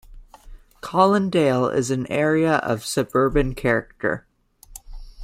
Colindale is an area of suburban character.